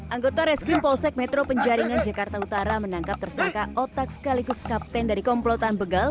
anggota reskrim polsek metro penjaringan jakarta utara menangkap tersangka otak sekaligus kapten dari komplotan begal